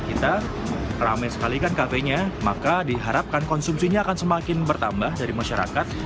jika kita ramai sekali kan kafe nya maka diharapkan konsumsinya akan semakin bertambah dari masyarakat